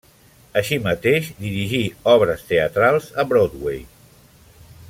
Així mateix, dirigí obres teatrals a Broadway.